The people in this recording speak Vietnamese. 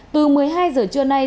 từ một mươi hai h trưa nay